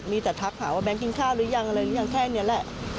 มีแต่ทักหาว่าแก๊งกินข้าวหรือยังอะไรหรือยังแค่นี้แหละ